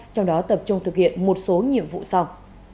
trong đó tập trung thực hiện một số nhiệm vụ sau